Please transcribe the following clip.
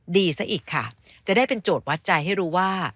ดีซะอีกค่ะจะได้เป็นโจทย์วัดใจให้รู้ว่า